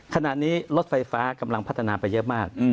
ขณะนี้รถไฟฟ้ากำลังพัฒนาไปเยอะมาก